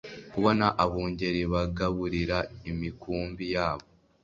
kubona abungeri bagaburira imikumbi yabo